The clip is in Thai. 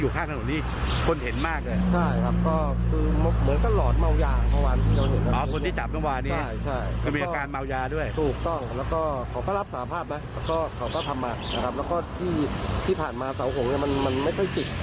เขาก็ทำมาแล้วก็ที่ผ่านมาเศร้าหงษ์มันไม่ค่อยติด